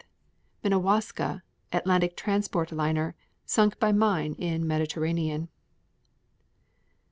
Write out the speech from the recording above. Minnewaska, Atlantic transport liner, sunk by mine in Mediterranean.